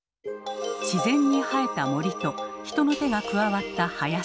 自然に生えた「森」と人の手が加わった「林」。